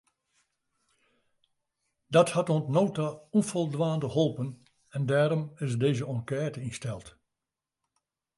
Dat hat oant no ta ûnfoldwaande holpen en dêrom is dizze enkête ynsteld.